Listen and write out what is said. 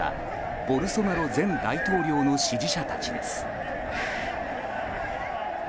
ボルソナロ前大統領の支持者たちです。